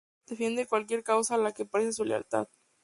Defiende cualquier causa a la que preste su lealtad.